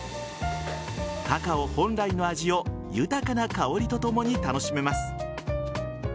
カカオ本来の味を豊かな香りとともに楽しめます。